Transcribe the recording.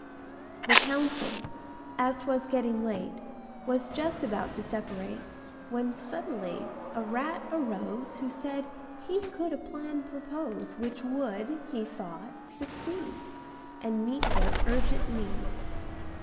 The council, as 'twas getting late, Was just about to separate, When suddenly a rat arose Who said he could a plan propose Which would, he thought, succeed And meet their urgent need.